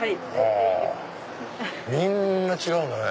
みんな違うんだね。